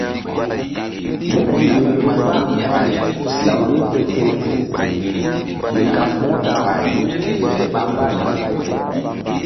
Mu kihri vbu kpah law ye se se mi kaɓ muta ke ɓa mbay.